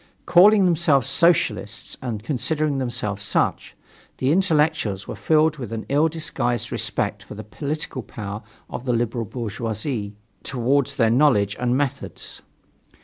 Calling themselves Socialists, and considering themselves such, the intellectuals were filled with an ill disguised respect for the political power of the liberal bourgeoisie, towards their knowledge and methods.